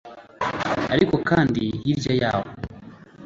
ariko kandi hirya yaho